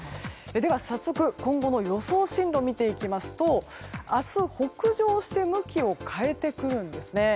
では早速、今後の予想進路を見ていきますと明日、北上して向きを変えてくるんですね。